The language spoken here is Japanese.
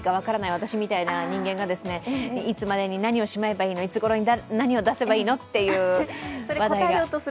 私みたいな人間がいつまでに何をしまえばいいのいつごろに何を出せばいいのっていう課題が増えてきます。